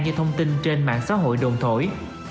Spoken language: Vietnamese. như thông tin trên mạng xã hội đồn thổi